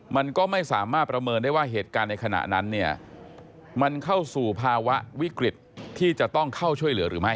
มันก็ไม่สามารถประเมินได้ว่าเหตุการณ์ในขณะนั้นเนี่ยมันเข้าสู่ภาวะวิกฤตที่จะต้องเข้าช่วยเหลือหรือไม่